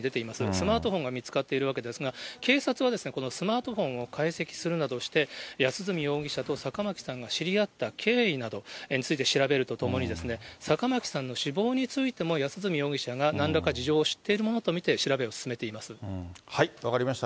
スマートフォンが見つかっているわけですが、警察はこのスマートフォンを解析するなどして、安栖容疑者と坂巻さんが知り合った経緯などについて調べるとともに、坂巻さんの死亡についても安栖容疑者がなんらか事情を知っている分かりました。